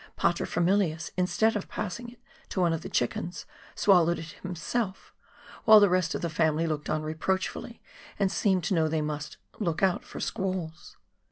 Paterfamilias instead of passing it to one of the chickens swallowed it himself, while the rest of the family looked on reproachfully and seemed to know they must " look out for squalls."